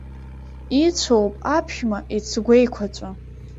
Ицәоуп аԥшәма ицгәеиқәаҵәа.